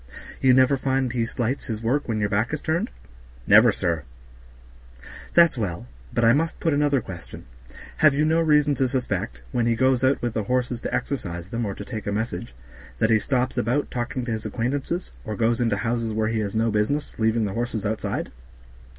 "You never find he slights his work when your back is turned?" "Never, sir." "That's well; but I must put another question. Have you no reason to suspect, when he goes out with the horses to exercise them or to take a message, that he stops about talking to his acquaintances, or goes into houses where he has no business, leaving the horses outside?"